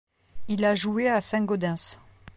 Il a joué à Saint-Gaudens.